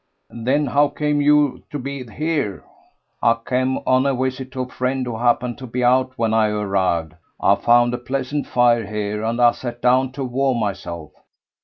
"Then how came you to be here?" "I came on a visit to a friend who happened to be out when I arrived. I found a pleasant fire here, and I sat down to warm myself.